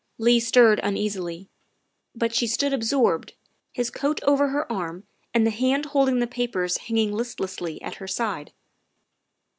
Leigh stirred uneasily, but she stood absorbed, his coat over her arm and the hand holding the papers hanging listlessly at her side.